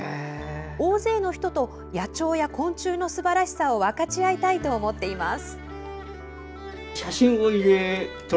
大勢の人と野鳥や昆虫のすばらしさを分かち合いたいと思っています。